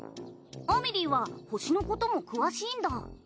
あみりいは星のことも詳しいんだ？